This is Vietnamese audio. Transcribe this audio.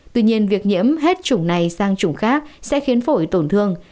tuy nhiên việc nhiễm hết chủng này sang chủng khác sẽ khiến phổi tổn thương